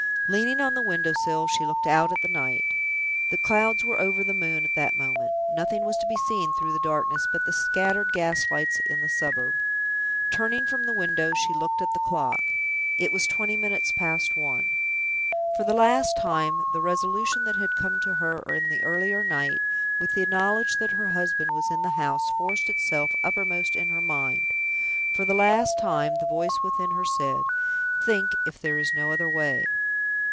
Leaning on the window sill, she looked out at the night. The clouds were over the moon at that moment; nothing was to be seen through the darkness but the scattered gas lights in the suburb. Turning from the window, she looked at the clock. It was twenty minutes past one. For the last time, the resolution that had come to her in the earlier night, with the knowledge that her husband was in the house, forced itself uppermost in her mind. For the last time, the voice within her said, "Think if there is no other way!"